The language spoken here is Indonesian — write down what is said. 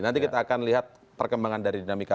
nanti kita akan lihat perkembangan dari dinamika